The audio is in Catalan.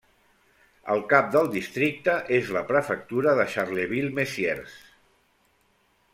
El cap del districte és la prefectura de Charleville-Mézières.